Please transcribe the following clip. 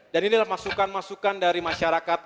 dan inilah masukan masukan dari masyarakat